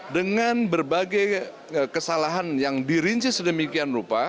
dengan berbagai kesalahan yang dirinci sedemikian rupa